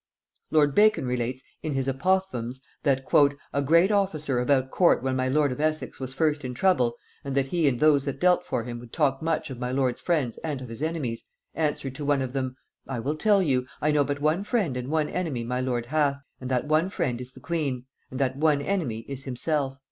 Lord Bacon relates, in his Apophthegms, that "a great officer about court when my lord of Essex was first in trouble, and that he and those that dealt for him would talk much of my lord's friends and of his enemies, answered to one of them; 'I will tell you, I know but one friend and one enemy my lord hath; and that one friend is the queen, and that one enemy, is himself.'"